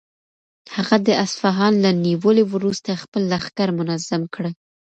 هغه د اصفهان له نیولو وروسته خپل لښکر منظم کړ.